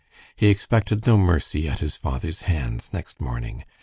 He expected no mercy at his father's hands next morning.